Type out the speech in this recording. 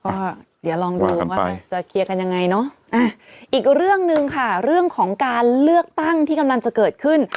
ก็เดี๋ยวลองดูว่าจะเคลียร์กันยังไงเนอะอีกเรื่องหนึ่งค่ะเรื่องของการเลือกตั้งที่กำลังจะเกิดขึ้น